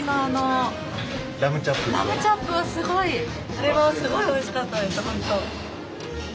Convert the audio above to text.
あれはすごいおいしかったです本当。